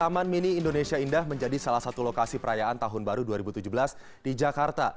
taman mini indonesia indah menjadi salah satu lokasi perayaan tahun baru dua ribu tujuh belas di jakarta